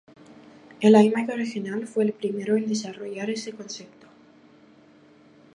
El iMac original fue el primero en desarrollar este concepto.